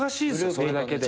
それだけで。